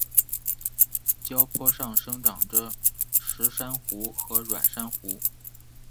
礁坡上生长着石珊瑚和软珊瑚。